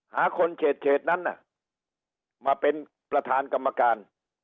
หาคนเฉดนั้นมาเป็นประธานกรรมการ